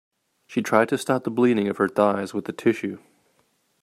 She tried to stop the bleeding of her thighs with a tissue.